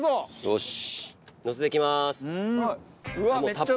よし！